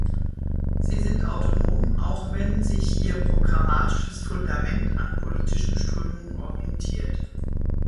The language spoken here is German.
Sie sind autonom, auch wenn sich ihr programmatisches Fundament an politischen Strömungen orientiert.